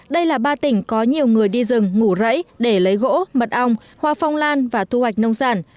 đây là ba tỉnh có nhiều người đi rừng ngủ rẫy để lấy gỗ mật ong hoa phong lan và thu hoạch nông sản